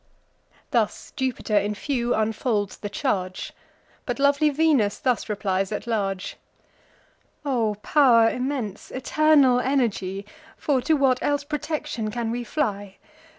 Thus Jupiter in few unfolds the charge; But lovely Venus thus replies at large: "O pow'r immense, eternal energy, (For to what else protection can we fly?)